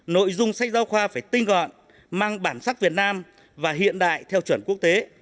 nội dung sách giáo khoa phải tinh gọn mang bản sắc việt nam và hiện đại theo chuẩn quốc tế